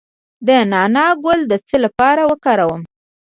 د نعناع ګل د څه لپاره وکاروم؟